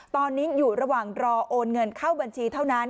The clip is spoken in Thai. ตอนนี้อยู่ระหว่างรอโอนเงินเข้าบัญชีเท่านั้น